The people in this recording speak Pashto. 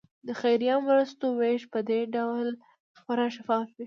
د خیریه مرستو ویش په دې ډول خورا شفاف وي.